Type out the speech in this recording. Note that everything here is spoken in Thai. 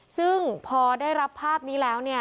ซึ่งพอได้รับภาพนี้แล้วเนี่ย